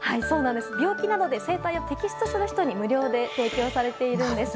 病気などで声帯を摘出する人に無料で提供されているんです。